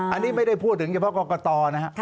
อันนี้ไม่ได้พูดถึงเฉพาะกรกตนะฮะ